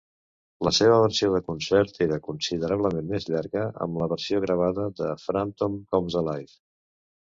La seva versió de concert era considerablement més llarga, amb la versió gravada de Frampton Comes Alive!